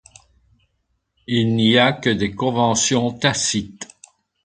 Il n'y a que des conventions tacites.